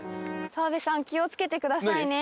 澤部さん気を付けてくださいね。